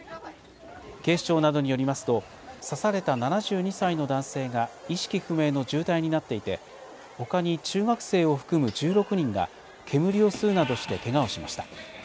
警視庁などによりますと、刺された７２歳の男性が意識不明の重体になっていて、ほかに中学生を含む１６人が、煙を吸うなどしてけがをしました。